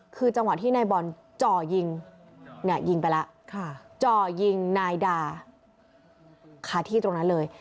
คือจังหวะที่นายบอลจ่อยิงยิงไปแล้วจ่อยิงนายดาคาที่ตรงนั้นเลย